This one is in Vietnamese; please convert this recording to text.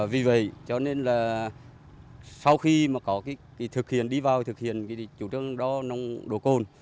vì vậy sau khi đi vào thực hiện chủ trương đo nồng độ cồn